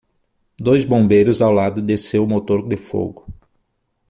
Dois bombeiros ao lado de seu motor de fogo.